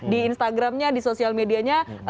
di instagramnya di sosial medianya